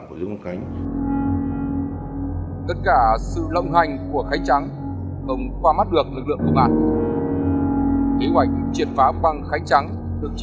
của dương văn khánh